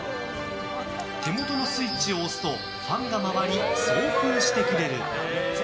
手元のスイッチを押すとファンが回り、送風してくれる。